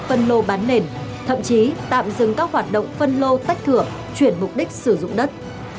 phân lô bán nền thậm chí tạm dừng các hoạt động phân lô tách thửa chuyển mục đích sử dụng đất